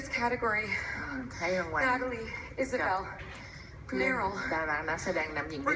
สำหรับผู้หญิงในกลุ่มนี้